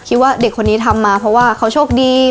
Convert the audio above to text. ว่าเด็กคนนี้ทำมาเพราะว่าเขาโชคดี